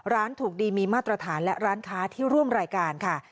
ร้านถูกดีมีมาตรฐานและร้านค้าที่ร่วมรายการค่ะ